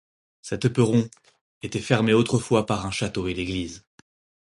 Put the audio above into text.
Cet éperon était fermé autrefois par un château et l'église.